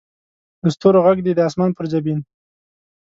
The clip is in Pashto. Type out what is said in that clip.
د ستورو ږغ دې د اسمان پر جبین